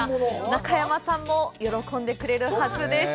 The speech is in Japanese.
中山さんも喜んでくれるはずです。